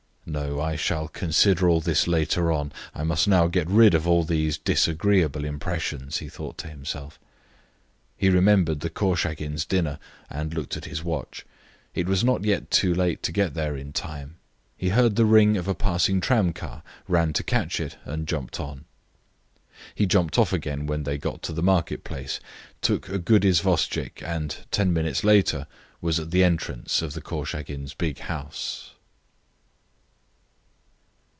"No, I shall consider all this later on; I must now get rid of all these disagreeable impressions," he thought to himself. He remembered the Korchagin's dinner and looked at his watch. It was not yet too late to get there in time. He heard the ring of a passing tramcar, ran to catch it, and jumped on. He jumped off again when they got to the market place, took a good isvostchik, and ten minutes later was at the entrance of the Korchagins' big house.